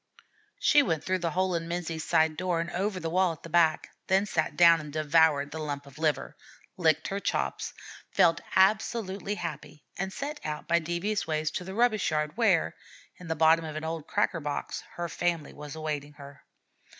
She went through the hole in Menzie's side door and over the wall at the back, then sat down and devoured the lump of liver, licked her chops, felt absolutely happy, and set out by devious ways to the rubbish yard, where, in the bottom of an old cracker box, her family was awaiting her.